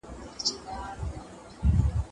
ايا ته زدکړه کوې؟